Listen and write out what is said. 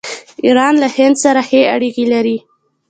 ایران له هند سره ښه اړیکې لري.